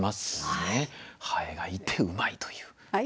蠅がいてうまいという。